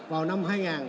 vào năm hai nghìn ba mươi